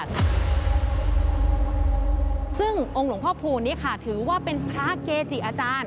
ซึ่งองค์หลวงพ่อพูนนี้ค่ะถือว่าเป็นพระเกจิอาจารย์